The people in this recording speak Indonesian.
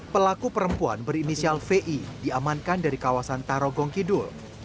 pelaku perempuan berinisial vi diamankan dari kawasan tarogong kidul